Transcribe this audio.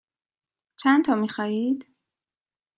چندتا می خواهید؟